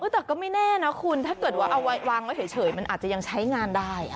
แต่ก็ไม่แน่นะคุณถ้าเกิดว่าเอาวางไว้เฉยมันอาจจะยังใช้งานได้